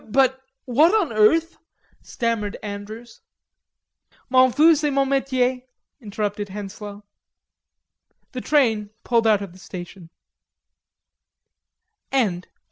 "But what on earth?" stammered Andrews. "M'en fous, c'est mon metier," interrupted Henslowe. The train pulled out of the station.